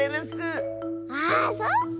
あそっか！